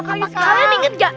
kalian inget gak